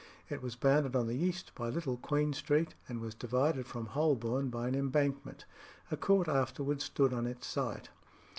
It was bounded on the east by Little Queen Street, and was divided from Holborn by an embankment. A court afterwards stood on its site.